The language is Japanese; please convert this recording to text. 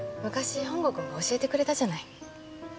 昔本郷くんが教えてくれたじゃない。